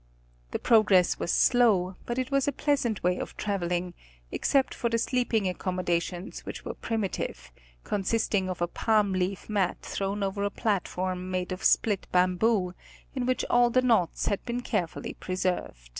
The progress was slow, but it was a pleasant way of traveling, except for the sleeping accommodations which were primitive ; consist ing of a palm leaf mat thrown over a platform made of split bamboo, in which all the knots had been carefully preserved.